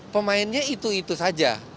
pemainnya itu itu saja